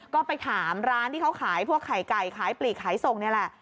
ก็ไปถามร้านที่เขาขายพวกไข่ไก่ขายปลีกขายส่งนี่แหละ